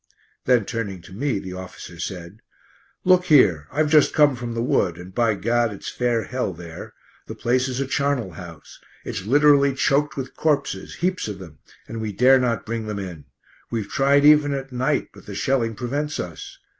Then turning to me the officer said: "Look here, I've just come from the Wood, and, by gad, it's fair hell there! The place is a charnel house. It's literally choked with corpses; heaps of them; and we dare not bring them in. We've tried even at night, but the shelling prevents us.